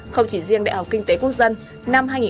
không chỉ riêng đại học kinh tế quốc dân